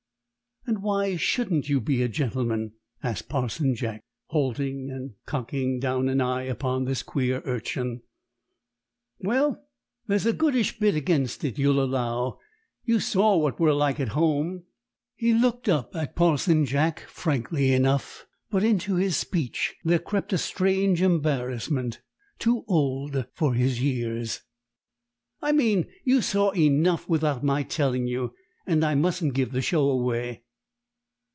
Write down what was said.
"And why shouldn't you be a gentleman?" asked Parson Jack, halting and cocking down an eye upon this queer urchin. "Well, there's a goodish bit against it, you'll allow. You saw what we're like at home." He looked up at Parson Jack frankly enough, but into his speech there crept a strange embarrassment, too old for his years. "I mean, you saw enough without my telling you; and I mustn't give the show away."